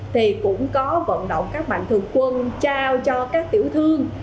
thì cũng có vận động các mạnh thường quân trao cho các tiểu thương